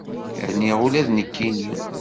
Rniɣ ula d nekkini.